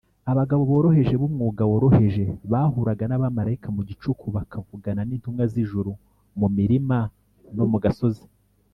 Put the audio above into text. abagabo boroheje b’umwuga woroheje bahuraga n’abamarayika mu gicuku, bakavugana n’intumwa z’ijuru mu mirima no mu gasozi